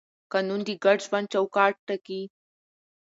قانون د ګډ ژوند چوکاټ ټاکي.